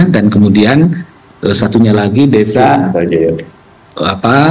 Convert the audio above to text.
dan kemudian satunya lagi desa jatinangot